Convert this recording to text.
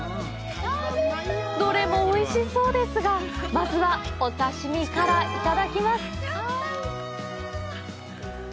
どれもおいしそうですがまずは、お刺身からいただきます！